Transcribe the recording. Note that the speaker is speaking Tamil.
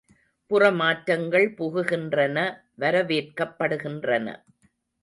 புறமாற்றங்கள் புகுகின்றன வரவேற்கப்படுகின்றன.